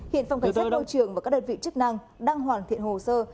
hiện phòng cảnh sát môi trường và các đơn vị chức năng đang hoàn thiện hồ sơ